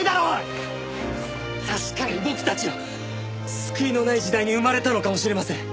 確かに僕たちは救いのない時代に生まれたのかもしれません。